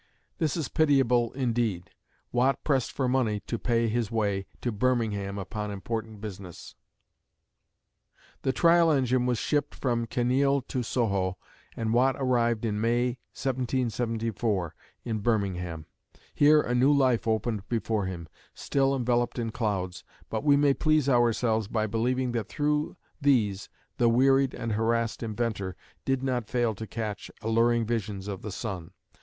This is pitiable indeed Watt pressed for money to pay his way to Birmingham upon important business. The trial engine was shipped from Kinneil to Soho and Watt arrived in May, 1774, in Birmingham. Here a new life opened before him, still enveloped in clouds, but we may please ourselves by believing that through these the wearied and harassed inventor did not fail to catch alluring visions of the sun.